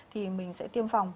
thì mình sẽ tiêm phòng